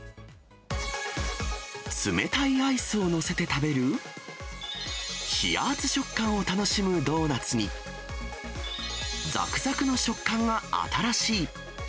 冷たいアイスを載せて食べる、冷熱食感を楽しむドーナツに、ざくざくの食感が新しい。